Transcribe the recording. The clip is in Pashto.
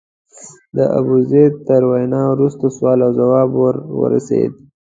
د ابوزید تر وینا وروسته سوال او ځواب وار راورسېد.